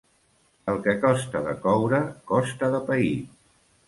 El que costa de coure costa de pair.